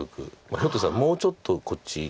ひょっとしたらもうちょっとこっち。